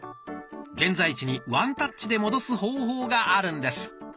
現在地にワンタッチで戻す方法があるんです。